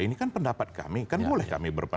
ini kan pendapat kami kan boleh kami